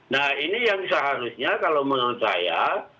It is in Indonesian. nah ini yang seharusnya kalau menurut saya